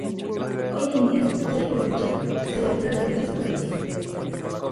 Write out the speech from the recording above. Hoy en día, Sergio Goycochea se dedica al periodismo televisivo.